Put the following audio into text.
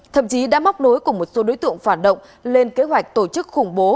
thậm chí đã móc đối cùng một số đối tượng phạt động lên kế hoạch tổ chức khủng bố